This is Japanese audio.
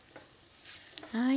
はい。